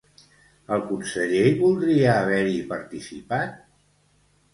El conseller voldria haver-hi participat?